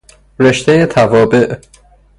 رشتهی توابع